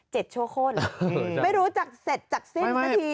เจ็ดโชโฆ่นไม่รู้จักเสร็จจากเส้นที่